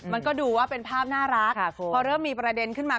มันก็ดูว่าเป็นภาพน่ารักพอเริ่มมีประเด็นขึ้นมา